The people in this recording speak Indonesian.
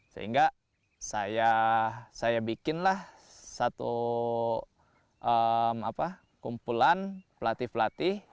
sehingga saya bikinlah satu kumpulan pelatih pelatih